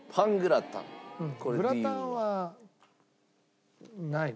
グラタンはないな。